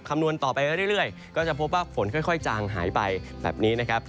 คำนวณต่อไปเรื่อยก็จะพบว่าฝนค่อยจางหายไปแบบนี้นะครับ